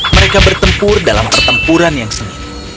mereka bertempur dalam pertempuran yang seni